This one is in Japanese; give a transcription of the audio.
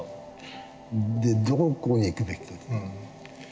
でどこに行くべきか。